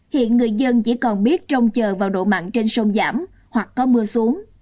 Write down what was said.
hiện người dân chỉ còn biết trông chờ vào độ mặn trên sông giảm hoặc có mưa xuống